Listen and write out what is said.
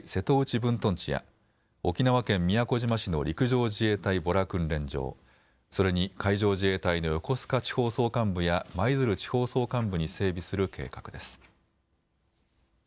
分屯地や沖縄県宮古島市の陸上自衛隊保良訓練場、それに海上自衛隊の横須賀地方総監部や舞鶴地方総監部に整備する計画です。